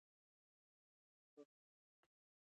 او هغه ئي ګویا کړي او ناطق کړي دي پخپل حَمد باندي